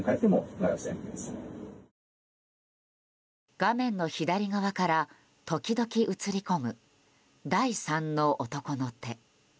画面の左側から時々映り込む第三の男の手。